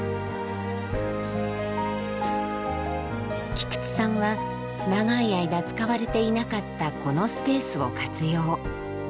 菊地さんは長い間使われていなかったこのスペースを活用。